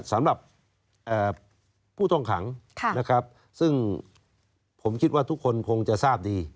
สำหรับผู้ต้องขังนะครับซึ่งผมคิดว่าทุกคนคงจะทราบดี